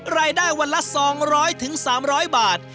รายได้วันละ๒๐๐๓๐๐บาท